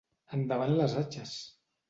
Endavant les atxes!